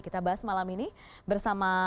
kita bahas malam ini bersama